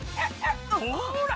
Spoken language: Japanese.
ほら